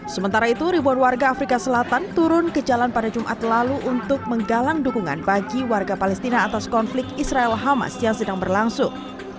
sementara itu ribuan warga afrika selatan turun ke jalan pada jumat lalu untuk menggalang dukungan bagi warga palestina atas konflik israel hamas yang sedang berlangsung